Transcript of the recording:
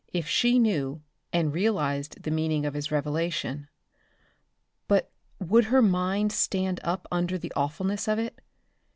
If she knew and realized the meaning of his revelation. But would her mind stand up under the awfulness of it?